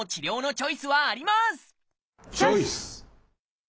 チョイス！